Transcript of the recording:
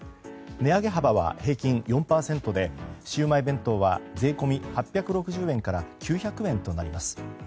値上げ幅は平均４％でシウマイ弁当は税込み８６０円から９００円となります。